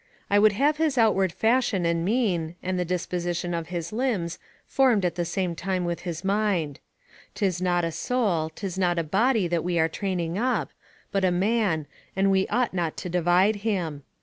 I would have his outward fashion and mien, and the disposition of his limbs, formed at the same time with his mind. 'Tis not a soul, 'tis not a body that we are training up, but a man, and we ought not to divide him.